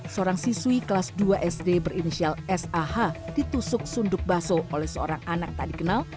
seorang siswi kelas dua sd berinisial sah ditusuk sunduk baso oleh seorang anak tak dikenal